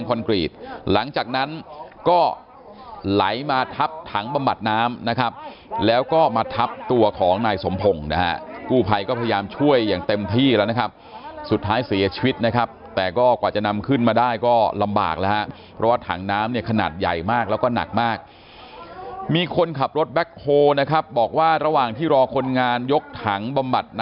หลังจากนั้นก็ไหลมาทับถังบำบัดน้ำนะครับแล้วก็มาทับตัวของนายสมพงศ์นะฮะกู้ภัยก็พยายามช่วยอย่างเต็มที่แล้วนะครับสุดท้ายเสียชีวิตนะครับแต่ก็กว่าจะนำขึ้นมาได้ก็ลำบากแล้วฮะเพราะว่าถังน้ำเนี่ยขนาดใหญ่มากแล้วก็หนักมากมีคนขับรถแบ็คโฮนะครับบอกว่าระหว่างที่รอคนงานยกถังบำบัด